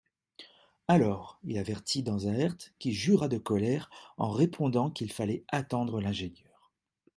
Alors, il avertit Dansaert, qui jura de colère, en répondant qu'il fallait attendre l'ingénieur.